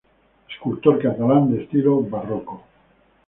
Escultor catalán de estilo barroco.